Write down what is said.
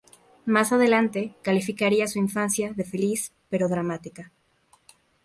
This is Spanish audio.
Más adelante, calificaría su infancia de "feliz pero dramática".